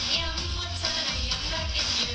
ยังว่าเธอน่ะยังแปลกกันอยู่